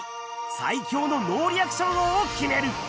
最強のノーリアクション王を決める